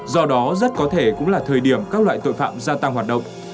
do đó rất có thể cũng là thời điểm các loại tội phạm gia tăng hoạt động